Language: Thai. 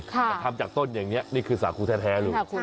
แต่ทำจากต้นอย่างนี้นี่คือสาครูแท้ลูก